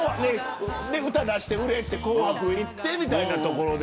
歌を出して、売れて紅白いってみたいなところで。